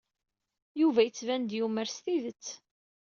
Yuba yettban-d yumer s tidet.